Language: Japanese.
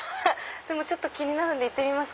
でも気になるんで行ってみます。